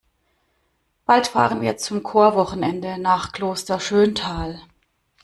Bald fahren wir zum Chorwochenende nach Kloster Schöntal.